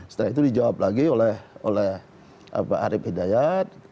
setelah itu dijawab lagi oleh pak arief hidayat